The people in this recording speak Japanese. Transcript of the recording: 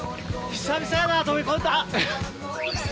久々やな飛び込んだん。